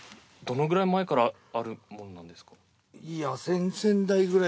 どのくらい前からあるものなんですか？